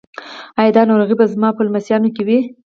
ایا دا ناروغي به زما په لمسیانو کې وي؟